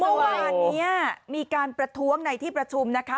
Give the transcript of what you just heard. เมื่อวานนี้มีการประท้วงในที่ประชุมนะคะ